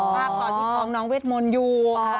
ภาพตอนที่ท้องน้องเวทมนต์อยู่